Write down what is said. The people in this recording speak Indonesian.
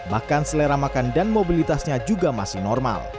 bahkan selera makan dan mobilitasnya juga masih normal